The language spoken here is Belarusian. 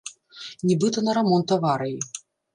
Нібыта, на рамонт аварыі.